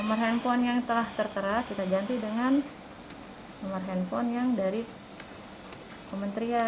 nomor handphone yang telah tertera kita ganti dengan nomor handphone yang dari kementerian